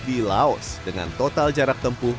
di laos dengan total jarak tempuh dua ribu km